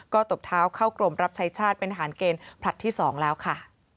ก็ตบเท้าเข้ากรมรับใช้ชาติเป็นทหารเกณฑ์ผลัดที่๒แล้วค่ะ